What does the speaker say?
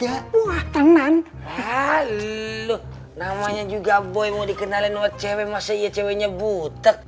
ya wah tenang halus namanya juga boy mau dikenalin oleh cewek masih ceweknya butek